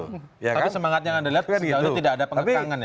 tapi semangatnya anda lihat tidak ada pengekangan ya